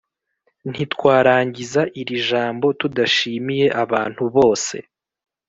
ntitwarangiza iri jambo, tudashimiye abantu bose